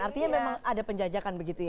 artinya memang ada penjajakan begitu ya